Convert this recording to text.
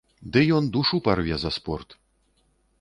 Ды ён душу парве за спорт!